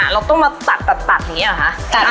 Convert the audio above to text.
เราต้องมาตัดอย่างนี้หรอคะ